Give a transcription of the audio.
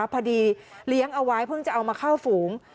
พอดีเลี้ยงเอาไว้เพิ่งจะเอามาเข้าฝูง